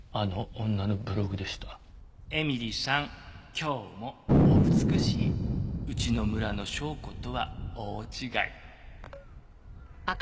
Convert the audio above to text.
今日もお美しい」「うちの村の紹子とは大違い」